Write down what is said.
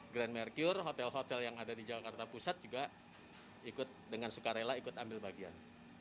grand mercure hotel hotel yang ada di jakarta pusat juga ikut dengan suka rela ikut ambil bagian